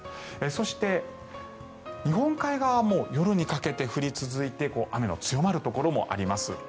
そして、日本海側も夜にかけて降り続いて雨の強まるところもあります。